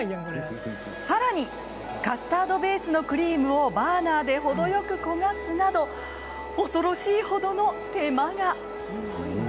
さらに、カスタードベースのクリームをバーナーで程よく焦がすなど恐ろしいほどの手間が。